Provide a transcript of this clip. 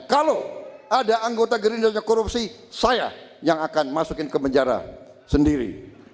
kalau ada anggota gerindranya korupsi saya yang akan masukin ke penjara sendiri